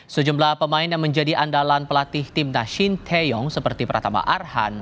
sejumlah pemain yang menjadi andalan pelatih timnas shin taeyong seperti pratama arhan